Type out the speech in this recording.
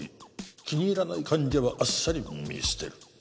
気に入らない患者はあっさり見捨てる